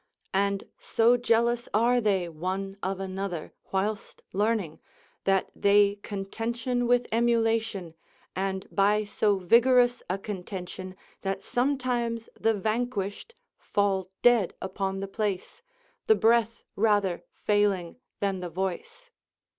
And so jealous are they one of another, whilst learning, that they contention with emulation, and by so vigorous a contention that sometimes the vanquished fall dead upon the place, the breath rather failing than the voice.